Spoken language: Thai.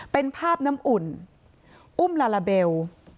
เป็นภาพน้ำอุ่นอุ้มลาลาเบล